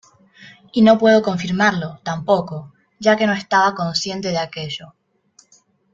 Y no puedo confirmarlo, tampoco, ya que no estaba consciente de aquello.